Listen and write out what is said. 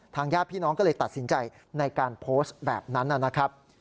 ญาติพี่น้องก็เลยตัดสินใจในการโพสต์แบบนั้นนะครับ